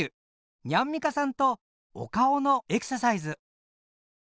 ニャンミカさんとお顔のエクササイズ！